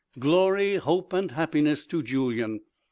Glory, hope and happiness to Julyan!